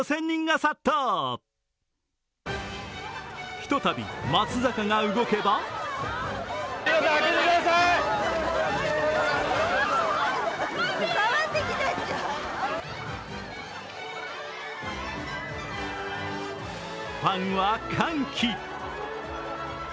ひとたび松坂が動けばファンは歓喜。